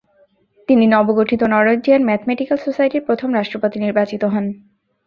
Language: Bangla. তিনি নবগঠিত নরওয়েজিয়ান ম্যাথমেটিকাল সোসাইটির প্রথম রাষ্ট্রপতি নির্বাচিত হন।